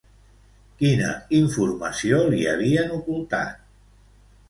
Quina informació li havien ocultat?